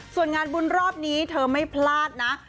ส่วนงานบุญรอบนี้เธอไม่พลาดนะ